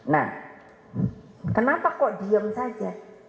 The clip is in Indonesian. nah kenapa kok diem saja